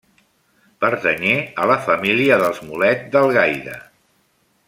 Pertanyé a la família dels Mulet, d'Algaida.